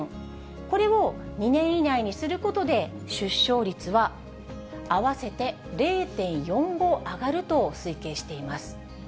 これを２年以内にすることで、出生率は合わせて０．４５上がると推計しています。